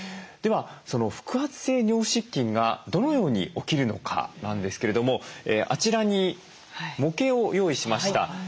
ではその腹圧性尿失禁がどのように起きるのかなんですけれどもあちらに模型を用意しました。